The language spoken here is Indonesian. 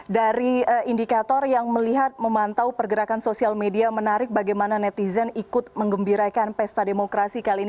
dari indikator yang melihat memantau pergerakan sosial media menarik bagaimana netizen ikut mengembirakan pesta demokrasi kali ini